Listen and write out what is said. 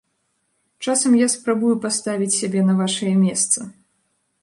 Часам я спрабую паставіць сябе на вашае месца.